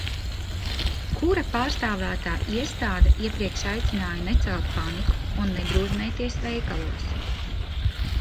Kura pārstāvētā iestāde iepriekš aicināja necelt paniku un nedrūzmēties veikalos.